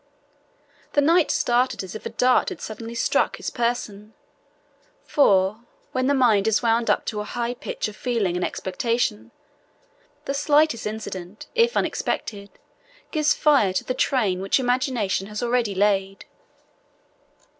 The knight started as if a dart had suddenly struck his person; for, when the mind is wound up to a high pitch of feeling and expectation, the slightest incident, if unexpected, gives fire to the train which imagination has already laid.